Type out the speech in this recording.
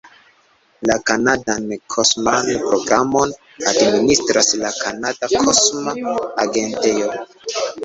La kanadan kosman programon administras la Kanada Kosma Agentejo.